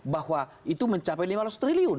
bahwa itu mencapai lima ratus triliun